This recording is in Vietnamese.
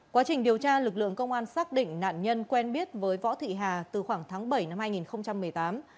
quá trình điều tra lực lượng công an xác định nạn nhân quen biết với võ thị hà từ khoảng tháng bảy năm hai nghìn một mươi tám